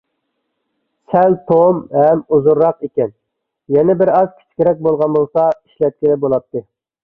سەل توم ھەم ئۇزۇنراق ئىكەن، يەنە بىرئاز كىچىكرەك بولغان بولسا ئىشلەتكىلى بولاتتى.